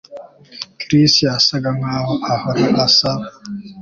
Chris yasaga nkaho ahora asa